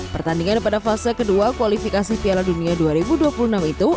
pertandingan pada fase kedua kualifikasi piala dunia dua ribu dua puluh enam itu